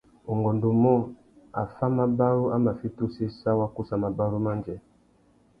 Ungôndumô, affámabarú a mà fiti usséssa wa kussa mabarú mandjê.